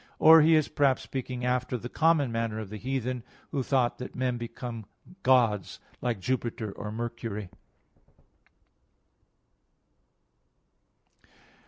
Or he is, perhaps, speaking after the common manner of the heathen, who thought that men became gods, like Jupiter or Mercury.